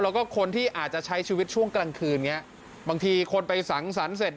แล้วก็คนที่อาจจะใช้ชีวิตช่วงกลางคืนนี้บางทีคนไปสังสรรค์เสร็จ